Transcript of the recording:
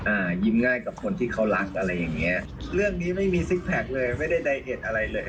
อ่ายิ้มง่ายกับคนที่เขารักอะไรอย่างเงี้ยเรื่องนี้ไม่มีซิกแพคเลยไม่ได้ใดเหตุอะไรเลย